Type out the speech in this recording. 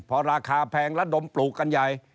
เพราะราคาแพงแล้วเดิมปลูกกันใหญ่